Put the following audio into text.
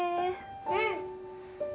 うん！